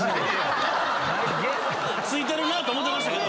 付いてるなと思うてましたけど。